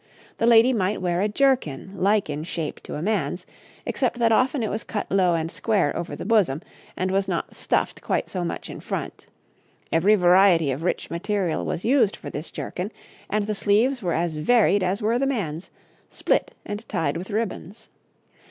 The lady might wear a jerkin like in shape to a man's, except that often it was cut low and square over the bosom, and was not stuffed quite so much in front; every variety of rich material was used for this jerkin, and the sleeves were as varied as were the man's, split and tied with ribbons.